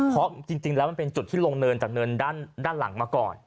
เพราะจริงแล้วมันเป็นจุดที่ลงเนินจากเนินด้านหลังมาก่อน